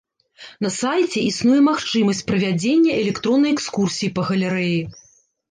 На сайце існуе магчымасць правядзення электроннай экскурсіі па галерэі.